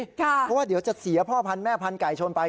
เพราะว่าเดี๋ยวจะเสียพ่อพันธุแม่พันธุไก่ชนไป